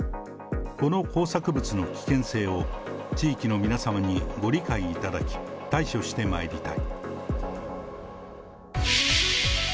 この工作物の危険性を地域の皆様にご理解いただき、対処してまいりたい。